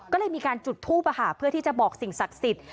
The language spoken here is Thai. ก็เลยมีการจุดทูปเพื่อที่จะบอกสิ่งศักดิ์สิทธิ์